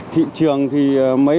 thị trường thì mấy